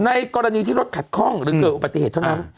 กรณีที่รถขัดข้องหรือเกิดอุบัติเหตุเท่านั้น